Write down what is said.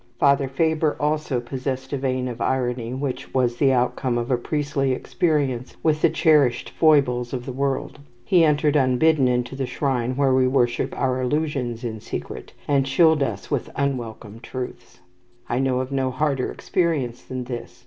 Father Faber also possessed a vein of irony which was the outcome of a priestly experience with the cherished foibles of the world. He entered unbidden into the shrine where we worship our illusions in secret, and chilled us with unwelcome truths. I know of no harder experience than this.